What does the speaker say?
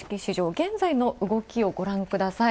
現在の動きをごらんください。